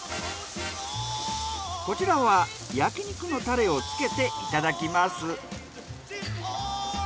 こちらは焼き肉のタレをつけていただきます。